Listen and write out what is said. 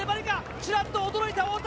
ちらっと驚いた、太田。